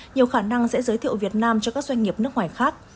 nhiều khả năng sẽ giới thiệu việt nam cho các doanh nghiệp nước ngoài khác